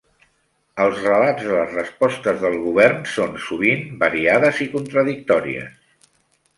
Els relats de les respostes del govern són, sovint, variades i contradictòries.